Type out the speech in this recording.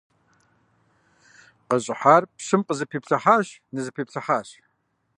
КъыщӀыхьар пщым къызэпиплъыхьащ, нызэпиплъыхьащ.